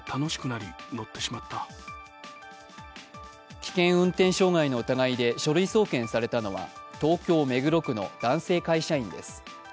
危険運転傷害の疑いで書類送検されたのは東京・目黒区の男性会社員です。